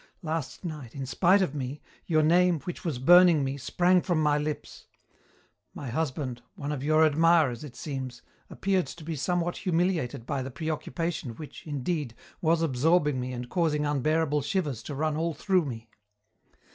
Last night, in spite of me, your name, which was burning me, sprang from my lips. My husband, one of your admirers, it seems, appeared to be somewhat humiliated by the preoccupation which, indeed, was absorbing me and causing unbearable shivers to run all through me.